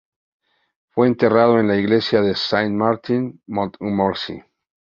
Fue enterrado en la Iglesia de Saint-Martin, Montmorency.